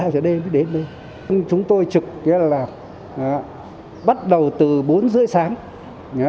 một hai giờ đêm mới đến đây chúng tôi trực cái là bắt đầu từ bốn h ba mươi